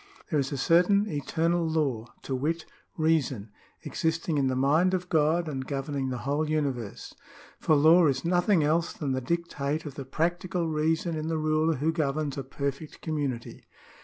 " There is a certain eternal law, to wit, reason, existing in the mind of God and governing the whole uni verse. ... For law is nothing else than the dictate of the practical reason in the ruler who governs a perfect com munity."